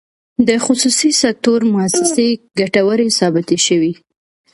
د خصوصي سکتور مؤسسې ګټورې ثابتې شوې.